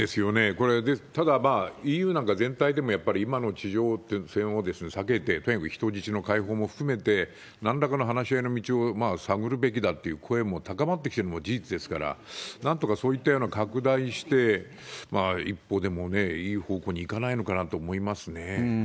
これ、ただ、ＥＵなんか全体でも、やっぱり今の地上戦を避けて、とにかく人質の解放も含めて、なんらかの話し合いの道を探るべきだという声も高まってきてるのも事実ですから、なんとかそういったような拡大して、一歩でもいい方向にいかないのかなと思いますね。